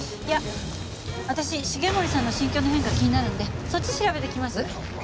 いや私重森さんの心境の変化気になるんでそっち調べてきます。